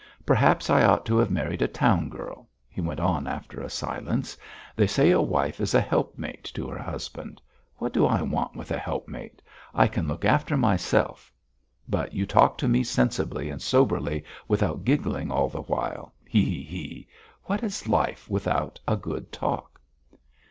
Perhaps I ought to have married a town girl" he went on after a silence. "They say a wife is a helpmate to her husband. What do I want with a helpmate? I can look after myself. But you talk to me sensibly and soberly, without giggling all the while. He he he! What is life without a good talk?"